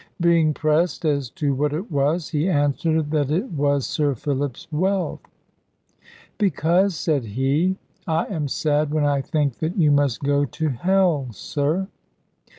Being pressed as to what it was, he answered that it was Sir Philip's wealth. "Because," said he, "I am sad when I think that you must go to hell, sir."